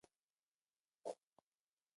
ټولنه به پرمختګ وکړي.